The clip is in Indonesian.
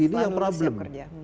ini yang problem